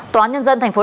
tòa nhân dân tp đà nẵng